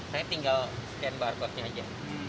saya tinggal scan barcode nya aja